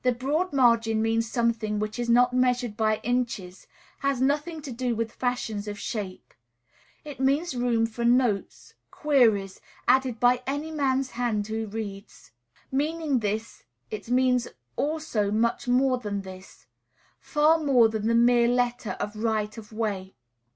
The broad margin means something which is not measured by inches, has nothing to do with fashions of shape. It means room for notes, queries, added by any man's hand who reads. Meaning this, it means also much more than this, far more than the mere letter of "right of way."